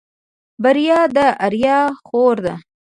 بريا د آريا خور ده.